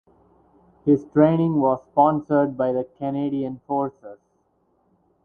His training was sponsored by the Canadian Forces.